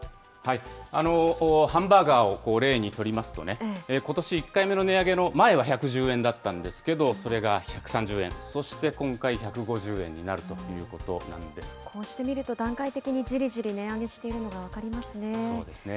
ハンバーガーを例にとりますと、ことし１回目の値上げの前は１１０円だったんですけれども、それが１３０円、そして今回、１こうしてみると、段階的にじりじり値上げしているのが分かりますね。